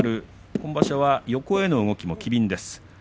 今場所は横への動きも機敏です。